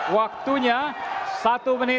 waktunya satu menit